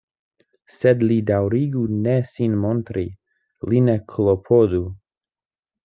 Sed li daŭrigu ne sin montri, li ne klopodu.